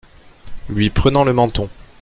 Lui prenant le menton.